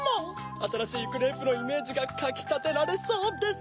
あたらしいクレープのイメージがかきたてられそうです！